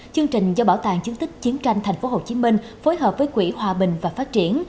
chương trình do bảo tàng chứng tích chiến tranh tp hcm phối hợp với quỹ hòa bình và phát triển